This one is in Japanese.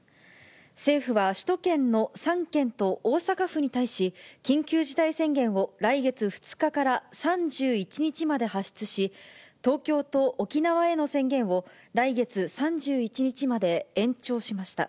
政府は首都圏の３県と大阪府に対し、緊急事態宣言を来月２日から３１日まで発出し、東京と沖縄への宣言を来月３１日まで延長しました。